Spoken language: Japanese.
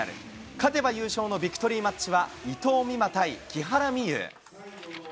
勝てば優勝のビクトリーマッチは伊藤美誠対木原美悠。